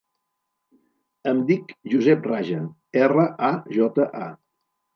Em dic Josep Raja: erra, a, jota, a.